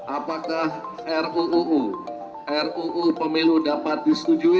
apakah ruu ruu pemilu dapat disetujui